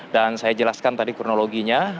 dan saya jelaskan tadi kronologinya